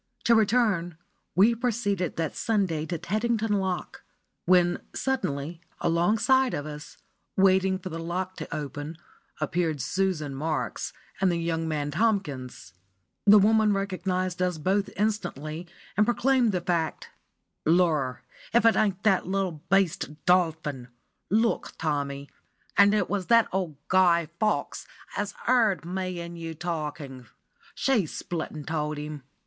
To return, we proceeded that Sunday to Teddington Lock, when suddenly, alongside of us, waiting for the lock to open, appeared Susan Marks and the young man Tomkins. The woman recognised us both instantly, and proclaimed the fact. "Lor! if that ain't that little beast Dolphin! Look, Tommy; and it was that old Guy Fawkes as 'eard me 'n you talking. She split an' told him.